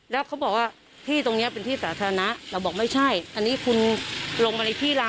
แล้วเขาบอกว่าที่ตรงนี้เป็นที่สาธารณะเราบอกไม่ใช่อันนี้คุณลงมาในที่เรา